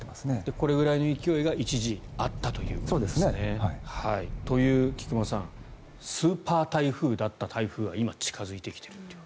これぐらいの勢いが一時あったと。という、菊間さんスーパー台風だった台風が今、近付いてきていると。